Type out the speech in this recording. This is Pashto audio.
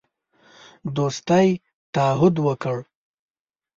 دوستی تعهد وکړ.